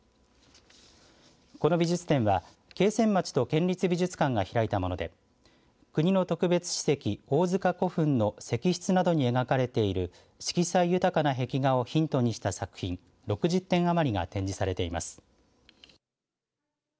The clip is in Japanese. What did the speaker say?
この美術展は桂川町と県立美術館が開いたもので国の特別史跡、王塚古墳の石室などに描かれている色彩豊かな壁画をヒントにした作品６０点余りが展示されています。